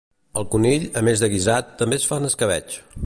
El conill, a més de guisat, també es fa en escabetx